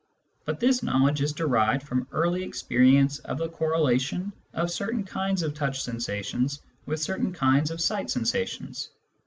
But this knowledge is derived from early experience of the correlation of certain kinds of touch sensations with certain kinds of sight sensations.